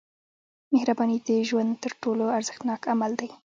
• مهرباني د ژوند تر ټولو ارزښتناک عمل دی.